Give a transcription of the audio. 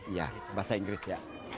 iya bahasa inggris ya